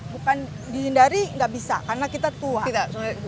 bukan dihindari tidak bisa karena kita tua